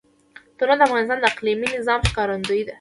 تنوع د افغانستان د اقلیمي نظام ښکارندوی ده.